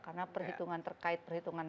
karena perhitungan terkait perhitungan angka